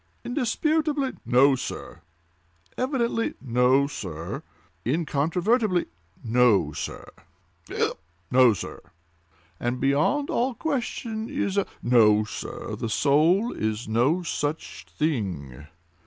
"Indisputably—" "No, sir!" "Evidently—" "No, sir!" "Incontrovertibly—" "No, sir!" "Hiccup!—" "No, sir!" "And beyond all question, a—" "No sir, the soul is no such thing!"